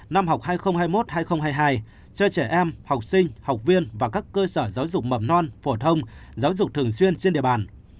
năm học hai nghìn hai mươi một hai nghìn hai mươi hai cho trẻ em học sinh học viên và các cơ sở giáo dục mầm non phổ thông giáo dục thường xuyên trên địa bàn